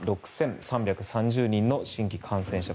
２万６３３０人の新規感染者